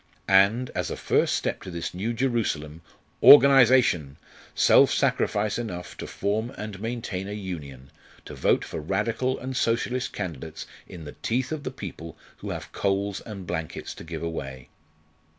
And, as a first step to this new Jerusalem organisation! self sacrifice enough to form and maintain a union, to vote for Radical and Socialist candidates in the teeth of the people who have coals and blankets to give away.